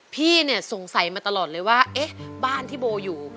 พี่เนี่ยสงสัยมาตลอดเลยว่าเอ๊ะบ้านที่โบอยู่